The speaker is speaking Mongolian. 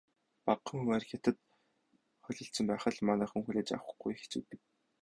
Багахан хувиар Хятад холилдсон байхад л манайхан хүлээж авахгүй хэцүүднэ.